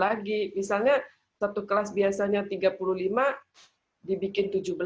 lagi misalnya satu kelas biasanya tiga puluh lima dibikin tujuh belas